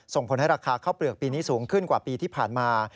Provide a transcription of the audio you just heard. ส่งผลให้ราคาข้าวเปลือกปีนี้สูงขึ้นกว่าปีที่ผ่านมา